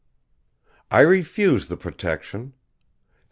"I refuse the protection.